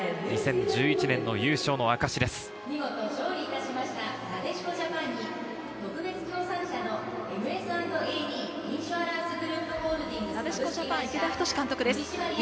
２０１１年の優勝の証しです。